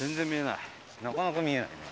なかなか見えないね。